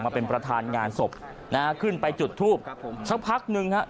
มาเป็นประธานงานศพนะฮะขึ้นไปจุดทูบสักพักหนึ่งฮะ